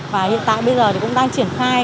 và hiện tại bây giờ thì cũng đang triển khai